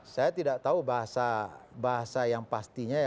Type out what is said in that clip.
saya tidak tahu bahasa yang pastinya ya